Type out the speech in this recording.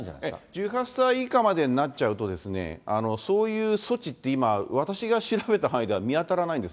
１８歳以下までになっちゃうと、そういう措置って今、私が調べた範囲では見当たらないんです。